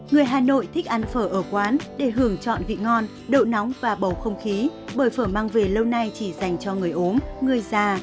người hà nội thích ăn phở ở quán để hưởng trọn vị ngon độ nóng và bầu không khí bởi phở mang về lâu nay chỉ dành cho người ốm người già